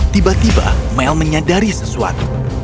tiba tiba mel menyadari sesuatu